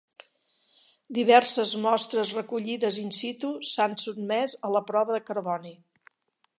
Diverses mostres recollides in situ s'han sotmès a la prova de carboni.